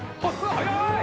速い。